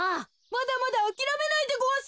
まだまだあきらめないでごわす！